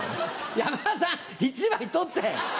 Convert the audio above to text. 山田さん１枚取って。